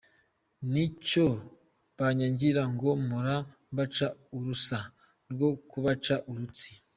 Nicyo banyangira, ngo mpora mbaca urusa, rwo kubaca urutsi !